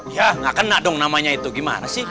ya nggak kena dong namanya itu gimana sih